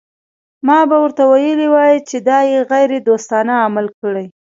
ما به ورته ویلي وای چې دا یې غیر دوستانه عمل کړی.